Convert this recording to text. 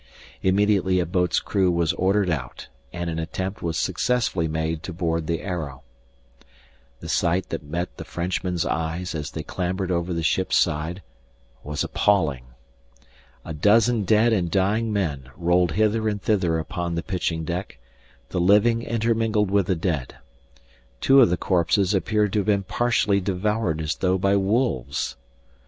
Immediately a boat's crew was ordered out and an attempt was successfully made to board the Arrow. The sight that met the Frenchmen's eyes as they clambered over the ship's side was appalling. A dozen dead and dying men rolled hither and thither upon the pitching deck, the living intermingled with the dead. Two of the corpses appeared to have been partially devoured as though by wolves.